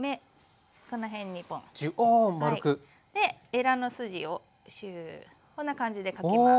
エラの筋をシューこんな感じで描きます。